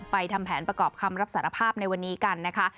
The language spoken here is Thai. ทำแผนประกอบคำรับสารภาพในวันนี้กันนะคะ